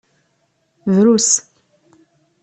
Drus.